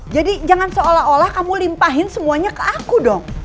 jadi jangan seolah olah kamu limpahin semuanya ke aku dong